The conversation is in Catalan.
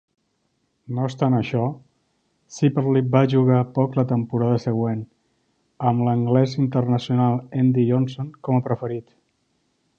No obstant això, Shipperley va jugar poc la temporada següent, amb l'anglès internacional Andy Johnson com a preferit.